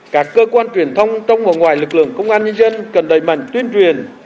các cơ quan truyền thông trong và ngoài lực lượng công an nhân dân cần đẩy mạnh tuyên truyền